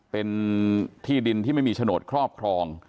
เป็นที่ดินที่ไม่มีโฉนดครอบครอง